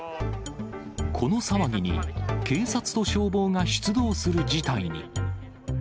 この騒ぎに、警察と消防が出動する事態に。